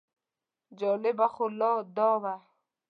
جالبه خو لا دا وه.